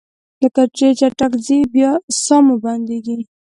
کله چې چټک ځئ ساه مو بندیږي؟